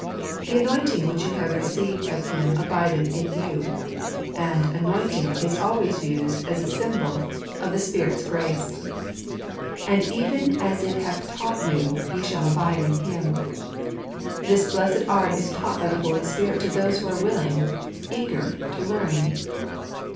"The anointing which ye have received of Him abideth in you "; and anointing vs always used as a symbol of the Spirit's 160 ®Ij t %icvtt at SFrtuifultusc. grace. " And even as it hath taught you, ye shall abide in Him" This blessed art is taught by the Holy Spirit to those who are willing — eager — to learn.